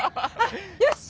よし！